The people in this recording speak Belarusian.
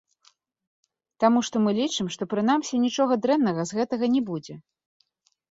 Таму што мы лічым, што прынамсі нічога дрэннага з гэтага не будзе.